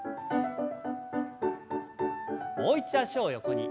もう一度脚を横に。